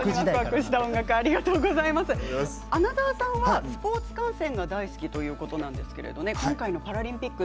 穴澤さんはスポーツ観戦が大好きということなんですけど今回のパラリンピック